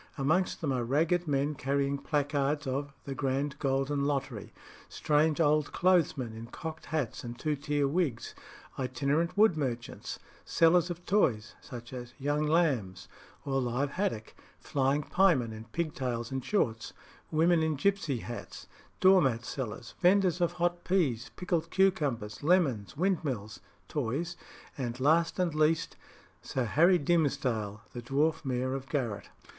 Amongst them are ragged men carrying placards of "The Grand Golden Lottery;" strange old clothesmen in cocked hats and two tier wigs; itinerant wood merchants; sellers of toys, such as "young lambs" or live haddock; flying piemen in pig tails and shorts; women in gipsy hats; door mat sellers; vendors of hot peas, pickled cucumbers, lemons, windmills (toys); and, last and least, Sir Harry Dimsdale, the dwarf Mayor of Garratt.